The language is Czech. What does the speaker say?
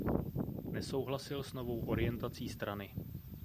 Nesouhlasil s novou orientací strany.